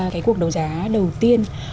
cái cuộc đầu giá đầu tiên